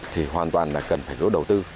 thì hoàn toàn là cần phải có đầu tư